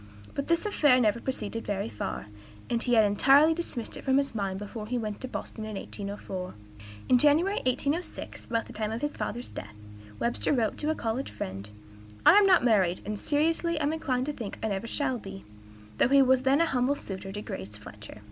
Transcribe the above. But this affair never proceeded very far, and he had entirely dismissed it from his mind before he went to Boston in 1804." In January, 1806, about the time of his father's death, Webster wrote to a college friend, "I am not married, and seriously am inclined to think I never shall be," though he was then a humble suitor to Grace Fletcher.